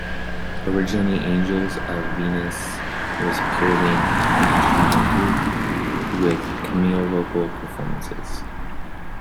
Originally Angels of Venice was purely an instrumental group with cameo vocal performances.